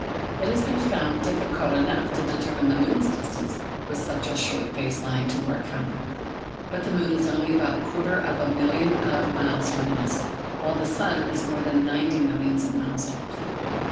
It had been found difficult enough to determine the moon's distance with such a short base line to work from. But the moon is only about a quarter of a million of miles from us, while the sun is more than ninety millions of miles off.